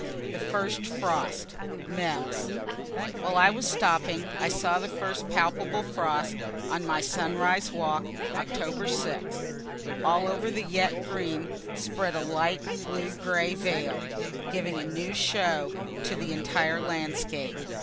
THE FIRST FROST MEMS Where I was stopping I saw the first palpable frost, on my sunrise walk, October 6; all over the yet green spread a light blue gray veil, giving a new show to the entire landscape.